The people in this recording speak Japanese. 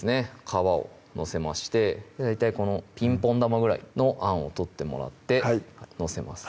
皮を載せまして大体このピンポン球ぐらいのあんを取ってもらって載せます